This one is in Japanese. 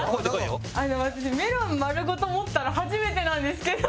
私メロン丸ごと持ったの初めてなんですけど。